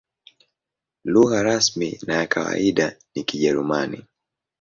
Lugha rasmi na ya kawaida ni Kijerumani.